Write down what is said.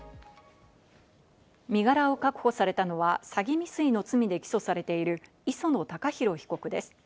身柄を確保されたのは詐欺未遂の罪で起訴されている磯野貴博被告です。